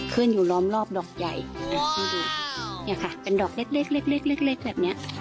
ขึ้นอยู่ล้อมรอบดอกใหญ่นี่ค่ะเป็นดอกเล็กแบบนี้